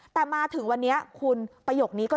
แต่มาถึงวันนี้คุณประโยคนี้ก็